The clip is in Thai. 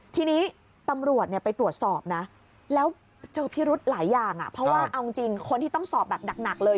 ทีนี้ตำรวจไปตรวจสอบนะแล้วเจอพิรุธหลายอย่างเพราะว่าเอาจริงคนที่ต้องสอบแบบหนักเลย